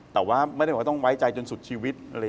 แต่ว่าไม่ได้บอกว่าต้องไว้ใจจนสุดชีวิต